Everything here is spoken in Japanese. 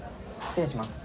失礼します。